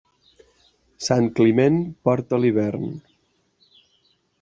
Sant Climent porta l'hivern.